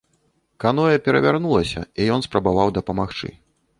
Каноэ перавярнулася і ён спрабаваў дапамагчы.